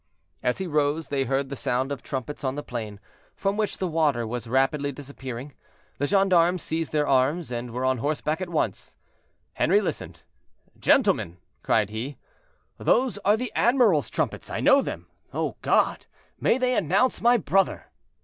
As he rose, they heard the sound of trumpets on the plain, from which the water was rapidly disappearing. The gendarmes seized their arms and were on horseback at once. Henri listened. "Gentlemen," cried he, "those are the admiral's trumpets; I know them. Oh, God! may they announce my brother!"